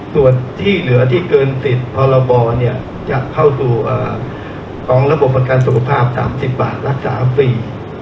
ส่วนที่เหลือที่เกินติดพรบจะเข้าสู่ของระบบประกันสุขภาพ๓๐บาทรักษาฟรี